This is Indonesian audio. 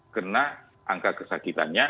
karena angka kesakitannya